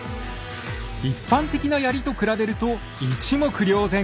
一般的な槍と比べると一目瞭然！